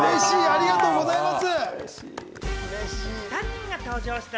ありがとうございます！